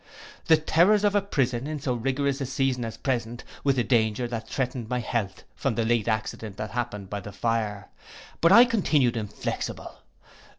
The terrors of a prison, in so rigorous a season as the present, with the danger, that threatened my health from the late accident that happened by the fire. But I continued inflexible.